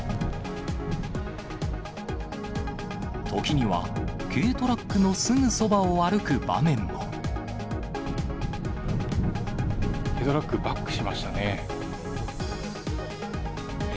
時には軽トラックのすぐそば軽トラック、バックしましたね。